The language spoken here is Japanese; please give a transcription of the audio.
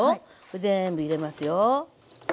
これ全部入れますよ。